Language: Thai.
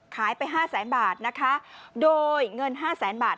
ขายไป๕แสนบาทนะคะโดยเงิน๕แสนบาท